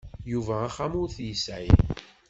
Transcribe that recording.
Yuba axxam ur t-yesɛi.